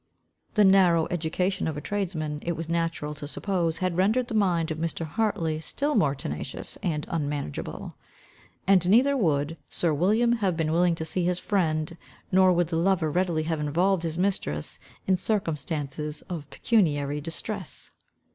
The narrow education of a tradesman it was natural to suppose had rendered the mind of Mr. Hartley still more tenacious, and unmanageable. And neither would sir William have been willing to see his friend, nor would the lover readily have involved his mistress in circumstances of pecuniary distress.